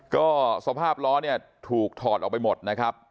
ก็สภาพล้อเนี่ยถูกถอดออกไปหมดนะครับ